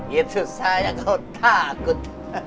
itu saya kau takut